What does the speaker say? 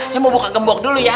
saya mau buka gembok dulu ya